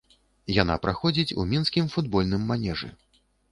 Яна праходзіць у мінскім футбольным манежы.